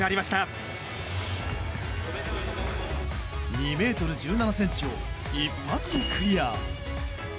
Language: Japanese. ２ｍ１７ｃｍを一発でクリア。